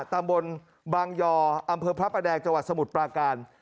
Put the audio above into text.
ตำบลบางยออำเภอพระประแดงจังหวัดสมุทรปราการ